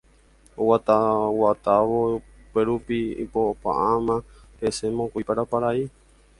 Oguataguatávo upérupi ipopa'ãma hese mokõi parapara'i